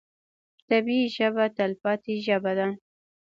طبیعي ژبه تلپاتې ژبه ده.